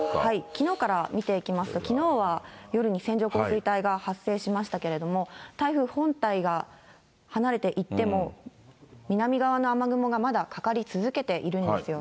きのうから見ていきますと、きのうは夜に線状降水帯が発生しましたけれども、台風本体が離れていっても、南側の雨雲がまだかかり続けているんですよね。